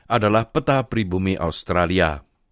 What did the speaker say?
adalah peta pribumi australia